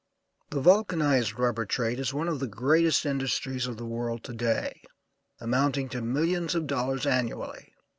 The vulcanized rubber trade is one of the greatest industries of the world to day, amounting to millions of dollars annually.